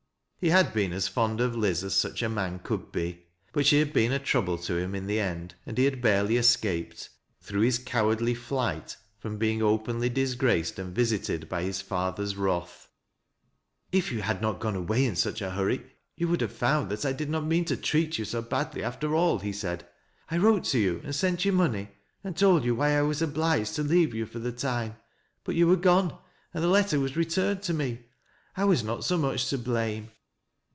He had been as fond of Liz as such a man could be. But she had been a trouble to him in the end, and he had barely escaped, through his cowardly flight, from being openly disgraced and visited by his fathei's wrath. " If you had not gone away in such a hurry, you would have found that I did not mean to treat you so badly after all," he said. " I wrote to you and sent you money, and told you why I was obliged to leave you for the time, but you were gone, and the letter was returned to me. I was not so much to blame."